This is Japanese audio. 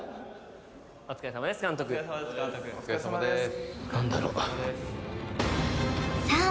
・お疲れさまですさあ